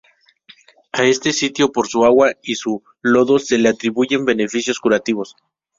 A este sitio, por su agua y su lodo, se le atribuyen beneficios curativos.